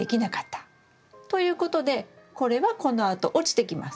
ということでこれはこのあと落ちてきます。